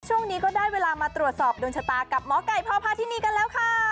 ช่วงนี้ก็ได้เวลามาตรวจสอบดวงชะตากับหมอไก่พ่อพาทินีกันแล้วค่ะ